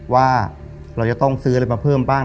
ว่าเราจะต้องซื้ออะไรมาเพิ่มบ้าง